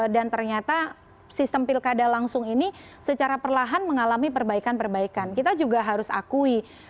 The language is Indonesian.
dan ternyata sistem pilkada langsung ini secara perlahan mengalami perbaikan perbaikan kita juga harus akui